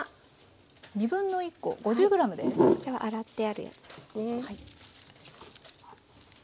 これは洗ってあるやつですね。